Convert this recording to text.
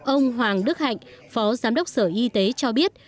ông hoàng đức hạnh phó giám đốc sở y tế cho biết